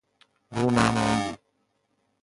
رونمایی